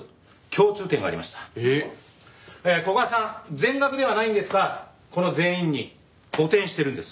全額ではないんですがこの全員に補填してるんです。